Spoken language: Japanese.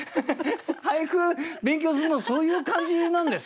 俳句勉強するのそういう感じなんですか？